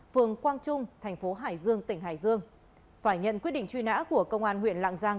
phường quang trung thành phố hải dương tỉnh hải dương phải nhận quyết định truy nã của công an huyện lạng giang